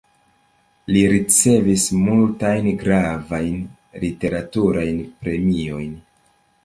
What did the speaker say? Li ricevis multajn gravajn literaturajn premiojn.